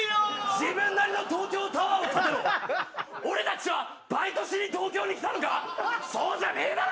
俺たちはバイトしに東京に来たのか⁉そうじゃねえ